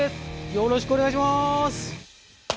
よろしくお願いします。